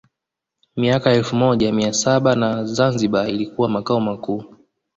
Miaka ya elfu moja na mia saba na Zanzibar ilikuwa Makao makuu